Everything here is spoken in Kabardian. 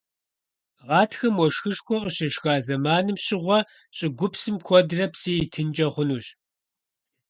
Гъатхэм, уэшхышхуэ къыщешха зэманхэм щыгъуэ щӀыгупсым куэдрэ псы итынкӀэ хъунущ.